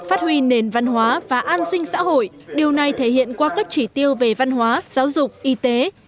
phát huy nền văn hóa và an sinh xã hội điều này thể hiện qua các chỉ tiêu về văn hóa giáo dục y tế